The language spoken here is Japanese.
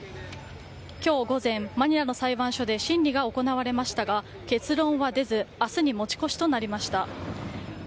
今日午前、マニラの裁判所で審理が行われましたが結論は出ず明日に持ち越しとなりました。